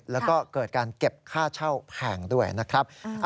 แล้วก็เกิดการเก็บค่าเช่าแพงด้วยนะครับ